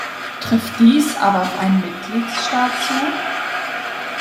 Trifft dies aber auf einen Mitgliedstaat zu?